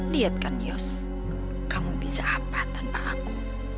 lihatkan yos kamu bisa apa tanpa aku